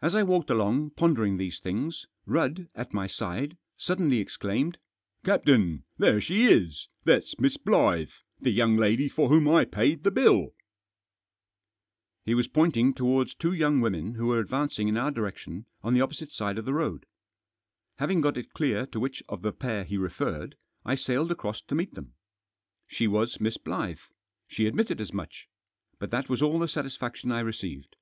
As I walked along, pondering these things, Rudd, at my side, suddenly exclaimed :" Captain, there she is ! that's Miss Blyth 1 the young lady for whom I paid the bill !" He was pointing towards two young women who were advancing in our direction, on the opposite side of the road. Having got it clear to which of the pair he referred, I sailed across to meet them. She was Miss Blyth. She admitted as much. But that was all the satisfaction I received.